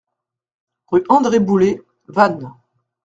Rue André Bouler, Vannes